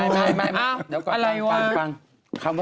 จริงตรง